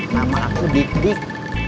nama aku ditik